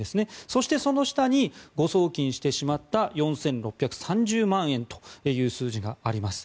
そしてその下に誤送金してしまった４６３０万円という数字があります。